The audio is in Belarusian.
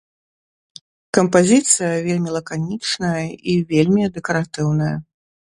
Кампазіцыя вельмі лаканічная і вельмі дэкаратыўная.